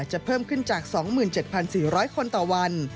เพิ่มขึ้นจาก๒๗๔๐๐คนต่อวัน